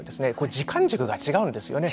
時間軸が違うんですよね。